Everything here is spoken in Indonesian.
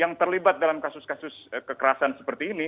yang terlibat dalam kasus kasus kekerasan seperti ini